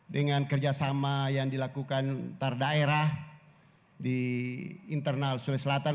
dengan kerjasama yang dilakukan antar daerah di internal sulawesi selatan